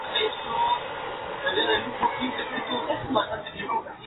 Contiene multitud de herramientas centradas en el análisis de ácidos nucleicos y proteínas.